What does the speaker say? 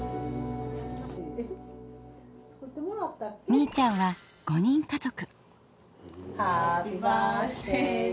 みいちゃんは５人家族。